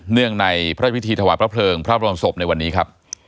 เนื่องในพระพิธีถวายพระเพลิงพระบรมศพในวันนี้ครับ